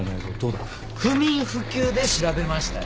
不眠不休で調べましたよ。